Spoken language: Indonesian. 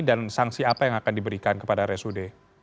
dan sanksi apa yang akan diberikan kepada rsud